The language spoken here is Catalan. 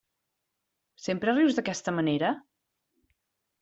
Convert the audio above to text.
Sempre rius d'aquesta manera?